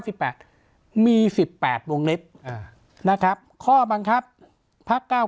สิบแปดมีสิบแปดวงเล็บอ่านะครับข้อบังคับพักเก้า